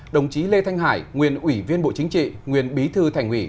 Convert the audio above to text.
đồng chí lê thanh hải nguyên ủy viên bộ chính trị nguyên bí thư thành ủy